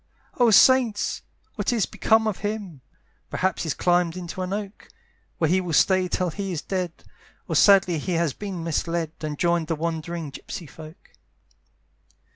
"Oh saints! what is become of him? "Perhaps he's climbed into an oak, "Where he will stay till he is dead; "Or sadly he has been misled, "And joined the wandering gypsey folk.